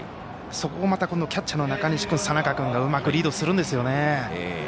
そこをキャッチャーの中西君佐仲君がうまくリードするんですね。